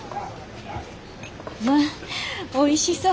まあおいしそう。